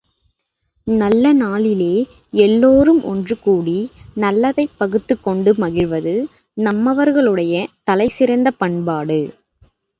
நல்ல நாளிலே எல்லோரும் ஒன்றுகூடி நல்லதைப் பகுத்துக்கொண்டு மகிழ்வது நம்மவர்களுடைய தலை சிறந்த பண்பாடு.